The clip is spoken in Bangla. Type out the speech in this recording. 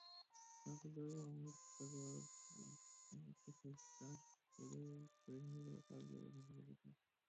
কাগজের ওপর মিশ্র মাধ্যমে করা কিংশুক দাশ চৌধুরীর ড্রয়িংনির্ভর কাজগুলো ভালো লেগেছে।